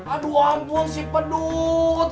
aduh ampun si pedut